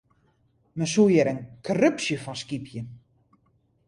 Men soe hjir in krupsje fan skypje.